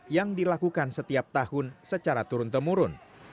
yang dilakukan setiap tahun secara turun temurun